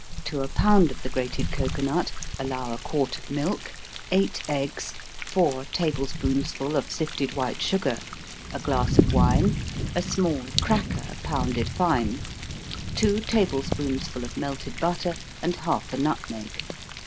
To a pound of the grated cocoanut allow a quart of milk, eight eggs, four table spoonsful of sifted white sugar, a glass of wine, a small cracker, pounded fine, two table spoonsful of melted butter, and half a nutmeg.